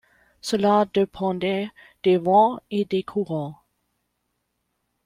Cela dépendait des vents et des courants.